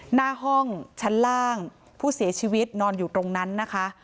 หน้าห้องชั้นล่างผู้เสียชีวิตนอนอยู่ตรงนั้นนะคะ